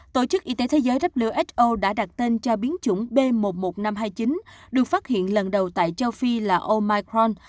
tổ chức y tế thế giới who đã đặt tên cho biến chủng b một mươi một nghìn năm trăm hai mươi chín được phát hiện lần đầu tại châu phi là omicron